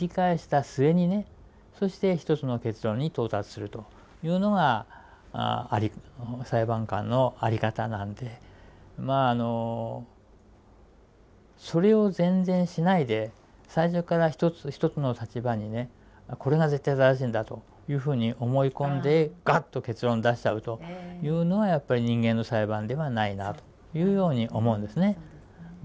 そして一つの結論に到達するというのが裁判官のあり方なんでそれを全然しないで最初から一つ一つの立場にねこれが絶対正しいんだというふうに思い込んでガッと結論出しちゃうというのはやっぱり人間の裁判ではないなというように思うんですね。